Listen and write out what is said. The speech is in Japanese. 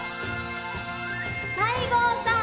西郷さん！